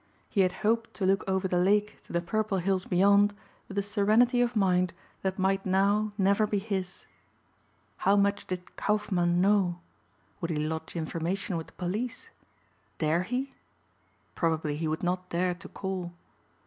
He had hoped to look over the lake to the purple hills beyond with a serenity of mind that might now never be his. How much did Kaufmann know? Would he lodge information with the police? Dare he? Probably he would not dare to call.